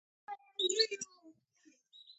د استعماري میراث ټولې نښې له مېنځه یوسي.